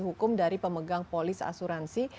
hukum dari pemegang polis asuransi